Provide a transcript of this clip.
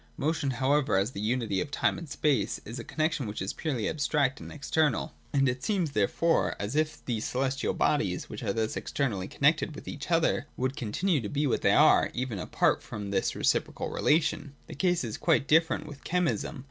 Motion, however, as the unity of time and space, is a connexion which is purely abstract and external. And it seems therefore as if these celestial bodies, which are thus externally connected with each other, would 342 THE DOCTRINE OF THE NOTION. [200 202. continue to be what they are, even apart from this reciprocal relation. The case is quite different with chemism.